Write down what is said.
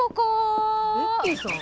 ベッキーさん？